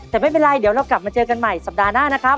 แต่ไม่เป็นไรเดี๋ยวเรากลับมาเจอกันใหม่สัปดาห์หน้านะครับ